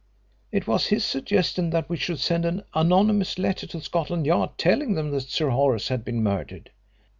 It was his suggestion that we should send an anonymous letter to Scotland Yard telling them Sir Horace had been murdered.